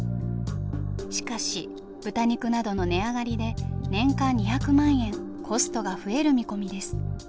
しかし豚肉などの値上がりで年間２００万円コストが増える見込みです。